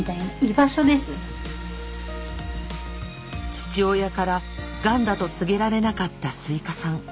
父親からがんだと告げられなかったスイカさん。